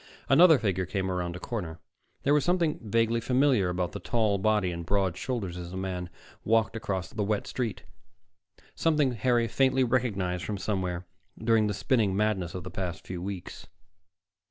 Another figure came around a corner. There was something vaguely familiar about the tall body and broad shoulders as the man walked across the wet street, something Harry faintly recognized from somewhere during the spinning madness of the past few weeks.